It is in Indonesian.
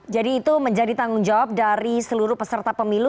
jadi itu menjadi tanggung jawab dari seluruh peserta pemilu